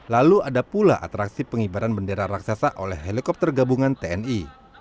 lalu ada pula atraksi pengibaran bendera raksasa oleh helikopter gabungan tni